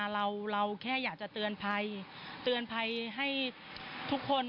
เราแค่อยากจะเตือนภัยเตือนภัยให้ทุกคน